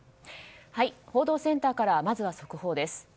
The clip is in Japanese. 報道センターからまずは速報です。